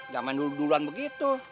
jangan main duluan begitu